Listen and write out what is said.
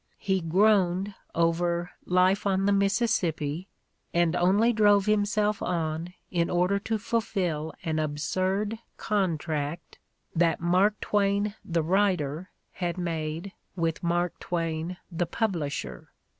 He groaned over "Life on ithe Mississippi" and only drove himself on in order to fulfill an absurd contract that Mark Twain the writer had made with Mark Twain the publisher.